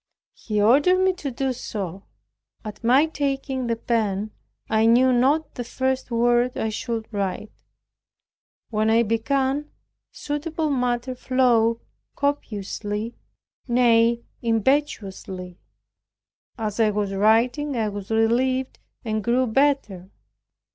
He ordered me to do so. At my taking the pen I knew not the first word I should write; when I began, suitable matter flowed copiously, nay, impetuously. As I was writing I was relieved and grew better.